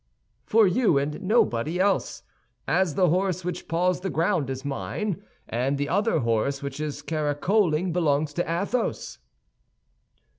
"For you and nobody else, as the horse which paws the ground is mine, and the other horse, which is caracoling, belongs to Athos."